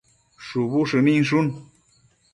shubu shëninshun